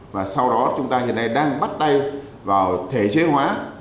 và sau đó chúng ta hiện nay đang bắt tay vào thể chế hóa